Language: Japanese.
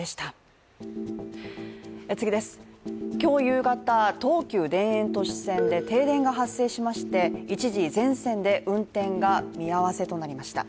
今日夕方、東急田園都市線で停電が発生しまして、一時全線で運転が見合わせとなりました。